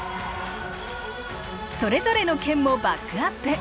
それぞれの県もバックアップ。